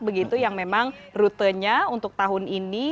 begitu yang memang rutenya untuk tahun ini